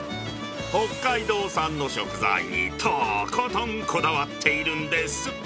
北海道産の食材にとことんこだわっているんです。